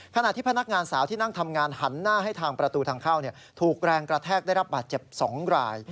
ขณะที่พนักงานสาวที่นั่งทำงานหันหน้าให้ทางประตูทางเข้าถูกแรงกระแทกได้รับบาดเจ็บ๒ราย